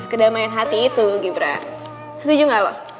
kedamaian hati itu gibran setuju gak lo